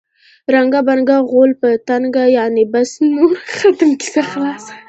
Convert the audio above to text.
ړنګه بنګه غول په تنګه. یعنې بس نور ختم، کیسه خلاصه.